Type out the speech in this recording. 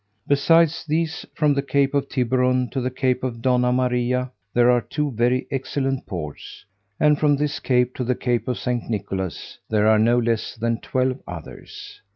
Besides these, from the Cape of Tiburon to the Cape of Donna Maria, there are two very excellent ports; and from this cape to the Cape of St. Nicholas, there are no less than twelve others.